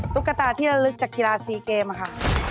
ตุ๊กตาที่ระลึกจากกีฬาซีเกมค่ะ